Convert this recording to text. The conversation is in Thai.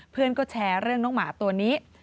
เพื่อนก็แชร์เรื่องน้องหมาตัวนี้